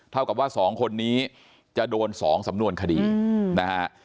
เท่ากับว่า๒คนนี้จะโดน๒สำนวนคดีนะฮะ